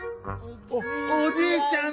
おおじいちゃん